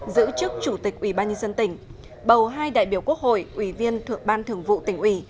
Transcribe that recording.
giữ chức chủ tịch ubnd tỉnh bầu hai đại biểu quốc hội ủy viên thượng ban thường vụ tỉnh ủy